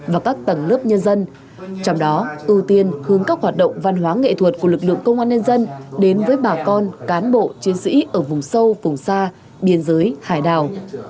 và các tầng lớp nhân dân trong đó ưu tiên hướng các hoạt động văn hóa nghệ thuật của lực lượng công an nhân dân đến với bà con cán bộ chiến sĩ ở vùng sâu vùng xa biên giới hải đảo